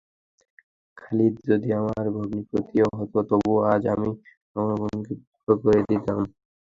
খালিদ যদি আমার ভগ্নিপতিও হত তবুও আজ আমি আমার বোনকে বিধবা করে দিতাম।